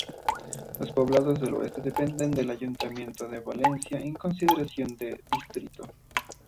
Los Poblados del Oeste dependen del ayuntamiento de Valencia en consideración de distrito.